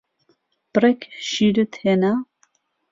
بڕێک شیرت هێنا؟